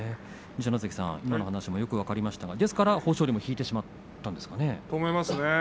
二所ノ関さん、今の話もよく分かりましたがですから豊昇龍も引いてしまったんですかね。